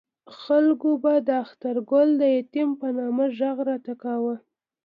خلکو به د اخترګل د یتیم په نامه غږ راته کاوه.